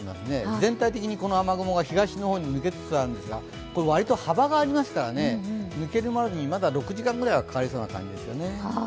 全体的にこの雨雲が東の方に抜けつつありますが割と幅がありますから、抜けるまでにまだ６時間ぐらいはかかりそうな感じですね。